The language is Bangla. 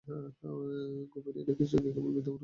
গোপীরা কৃষ্ণকে কেবল বৃন্দাবনের কৃষ্ণ বলিয়া বুঝিত।